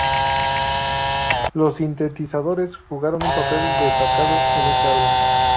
Los sintetizadores jugaron un papel destacado en este álbum.